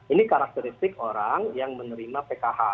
ini karakteristik orang yang menerima pkh